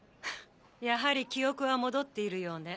やはり記憶は戻っているようね。